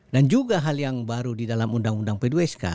dan juga hal yang baru di dalam undang undang p dua sk